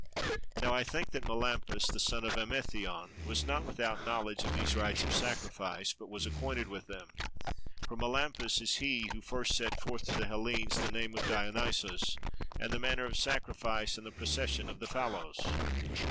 Now I think that Melampus the son of Amytheon was not without knowledge of these rites of sacrifice, but was acquainted with them: for Melampus is he who first set forth to the Hellenes the name of Dionysos and the manner of sacrifice and the procession of the phallos.